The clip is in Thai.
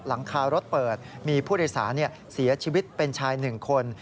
หลังคารถเปิดมีผู้โดยสารเสียชีวิตเป็นชาย๑คน